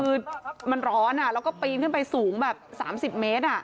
คือมันร้อนแล้วก็ปีนขึ้นไปสูงแบบ๓๐เมตร